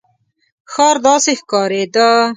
ښار داسې ښکارېده.